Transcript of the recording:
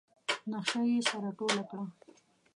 نخشه يې سره ټوله کړه.